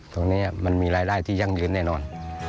ตรงนี้มันมีรายได้ที่ยั่งยืนแน่นอน